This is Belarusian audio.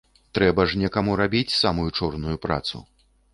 Трэба ж некаму рабіць самую чорную працу.